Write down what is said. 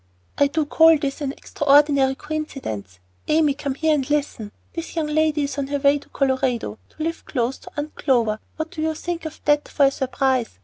"I do call this an extraordinary coincidence. Amy, come here and listen. This young lady is on her way to Colorado, to live close to Aunt Clover; what do you think of that for a surprise?